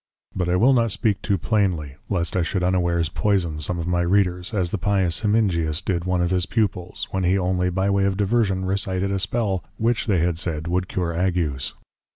But I will not speak too plainly Lest I should unawares Poison some of my Readers, as the pious Hemingius did one of his Pupils, when he only by way of Diversion recited a Spell, which, they had said, would cure Agues.